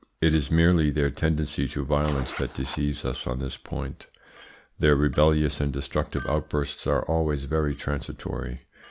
It is merely their tendency to violence that deceives us on this point. Their rebellious and destructive outbursts are always very transitory.